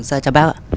dạ chào bác ạ